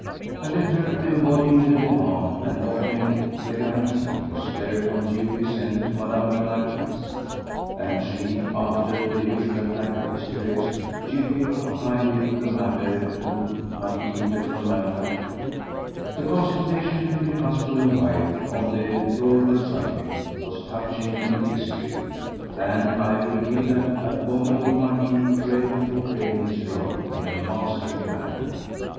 A letter embodying the demand and offering the guarantee was thereupon duly sent to Mme. la Marquise, and she, after the usual attack of hysterics, duly confided the matter to M. de Firmin Latour. The consultation between husband and wife on the deplorable subject was touching in the extreme; and I will give that abominable Marquis credit for playing his rôle in a masterly manner.